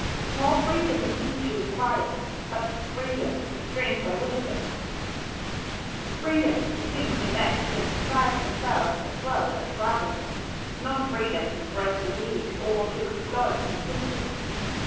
More freedom indeed she requires, but freedom restrained by wisdom; freedom to think and act and strive for self as well as for others, not freedom to oppress the weak, or to exploit the simple.